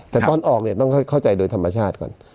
แต่ตอนออกเนี่ยต้องเข้าใจโดยธรรมชาติก่อน